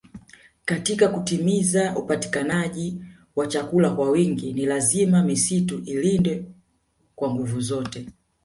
Katika kutimiza upatikanaji wa chakula kwa wingi ni lazima misitu ilindwe kwa nguvu zote